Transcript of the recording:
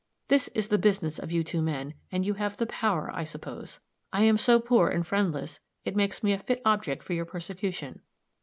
This is the business of you two men; and you have the power, I suppose. I am so poor and friendless it makes me a fit object for your persecution.